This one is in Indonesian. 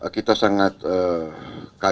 kita sangat berharap